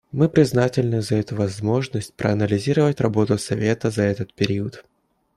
Мы признательны за эту возможность проанализировать работу Совета за этот период.